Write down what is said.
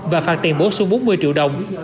và phạt tiền bố xuống bốn mươi triệu đồng